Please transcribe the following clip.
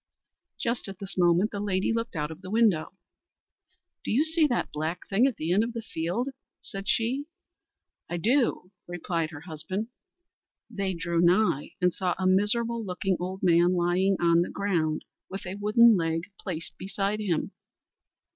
Just at this moment the lady looked out of the window. "Do you see that black thing at the end of the field?" said she. "I do," replied her husband. They drew nigh, and saw a miserable looking old man lying on the ground with a wooden leg placed beside him.